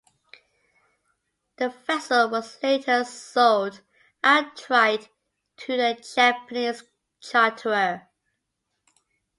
The vessel was later sold outright to the Japanese charterer.